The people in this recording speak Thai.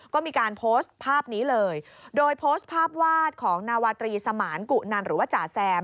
ก็มีการโพสต์ภาพนี้เลยโดยโพสต์ภาพวาดของนาวาตรีสมานกุนันหรือว่าจ่าแซม